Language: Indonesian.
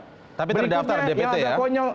tapi terdaftar di dpt ya